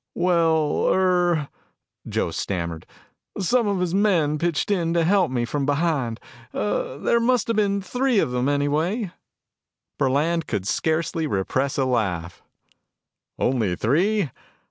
"Well, er," Joe stammered, "some of his men pitched in on me from behind. There must have been three of them, anyway." Burland could scarcely repress a laugh. "Only three?